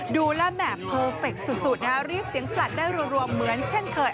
ดูแล้วแหม่เพอร์เฟคสุดเรียกเสียงสลัดได้รวมเหมือนเช่นเคย